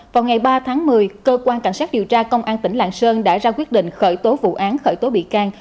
vào ngày ba tháng một mươi cơ quan cảnh sát điều tra công an tỉnh lạng sơn đã ra quyết định khởi tố vụ án khởi tố bị can